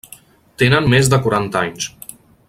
Tenen més de quaranta anys.